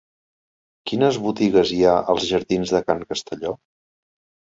Quines botigues hi ha als jardins de Can Castelló?